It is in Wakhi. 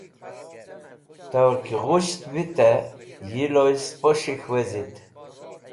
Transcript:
Tor ki ghust vitẽ yi loy spos̃hik̃h wezit.